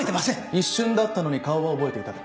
一瞬だったのに顔は覚えていたと。